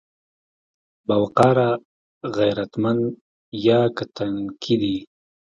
باوقاره، غيرتمن يا که تنکي دي؟